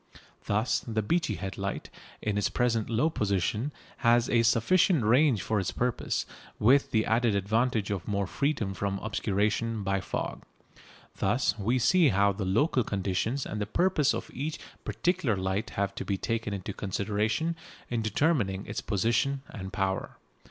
Thus the Beachy Head light, in its present low position, has a sufficient range for its purpose, with the added advantage of more freedom from obscuration by fog. Thus we see how the local conditions and the purpose of each particular light have to be taken into consideration in determining its position and power.